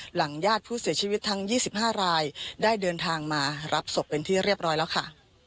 ญาติผู้เสียชีวิตทั้ง๒๕รายได้เดินทางมารับศพเป็นที่เรียบร้อยแล้วค่ะ